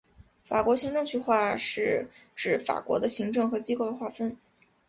法国行政区划是指法国的行政和机构的划分。